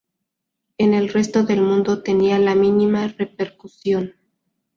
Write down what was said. En el resto del mundo tenía la mínima repercusión.